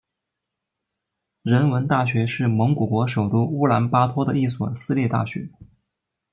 人文大学是蒙古国首都乌兰巴托的一所私立大学。